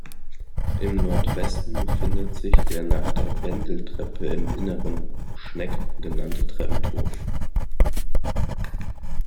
Im Nordwesten befindet sich der nach der Wendeltreppe im Inneren "Schneck" genannte Treppenturm.